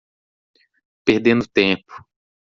Perdendo tempo